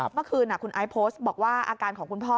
เมื่อคืนคุณไอซ์โพสต์บอกว่าอาการของคุณพ่อ